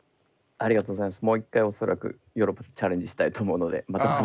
ありがとうございます。